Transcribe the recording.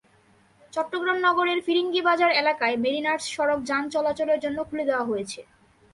চট্টগ্রাম নগরের ফিরিঙ্গিবাজার এলাকায় মেরিনার্স সড়ক যান চলাচলের জন্য খুলে দেওয়া হয়েছে।